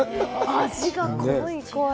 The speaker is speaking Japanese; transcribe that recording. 味が濃い濃い。